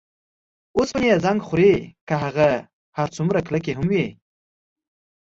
اوسپنې یې زنګ خوري که هغه هر څومره کلکې هم وي.